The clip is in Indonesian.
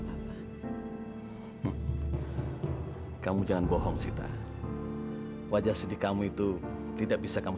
hai kamu jangan bohong sita wajah sedih kamu itu tidak bisa kamu